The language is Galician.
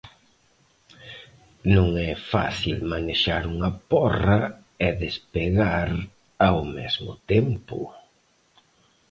Non é fácil manexar unha porra e despegar ao mesmo tempo.